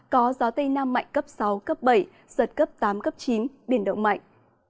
có gió tây nam mạnh cấp sáu cấp bảy giật cấp tám cấp chín biển động mạnh